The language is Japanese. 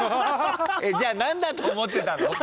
じゃあ何だと思ってたの？